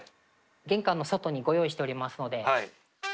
玄関の外にご用意しておりますので。